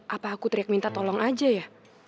apa aku teriak minta tolong aja ya